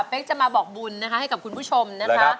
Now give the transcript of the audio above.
จะมาบอกบุญนะคะให้กับคุณผู้ชมนะคะ